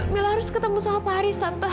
mila harus ketemu sama pak haris tanpa